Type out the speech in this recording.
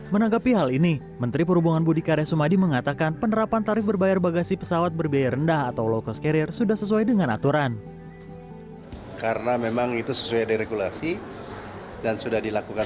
menanggapi hal ini menteri perhubungan budi karya sumadi mengatakan penerapan tarif berbayar bagasi pesawat berbiaya rendah atau low cost carrier sudah sesuai dengan aturan